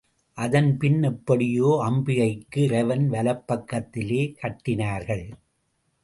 அதன்பின் எப்படியோ அம்பிகைக்கு இறைவன் வலப்பக்கத்திலே கட்டினார்கள்.